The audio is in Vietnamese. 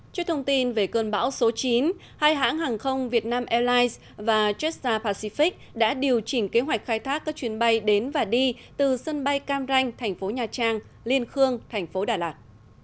trước thông tin về cơn bão số chín hai hãng hàng không việt nam airlines và jetstar pacific đã điều chỉnh kế hoạch khai thác các chuyến bay đến và đi từ sân bay cam ranh thành phố nha trang liên khương thành phố đà lạt